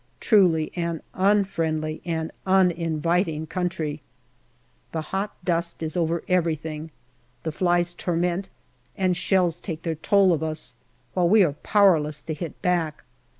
Truly an unfriendly and uninviting country. The hot dust is over everything the flies torment, and shells take their toll of us, while we are powerless to hit back.